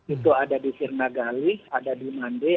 itu ada di sirna gali ada di mande